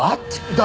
誰？